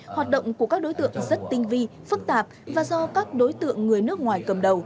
hoạt động của các đối tượng rất tinh vi phức tạp và do các đối tượng người nước ngoài cầm đầu